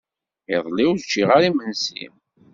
Iḍelli ur ččiɣ ara imensi.